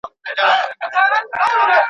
نه پر چا احسان د سوځېدو لري.